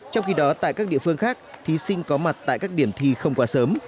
trong khi đó tại các địa phương khác thí sinh có mặt tại các điểm thi không quá sớm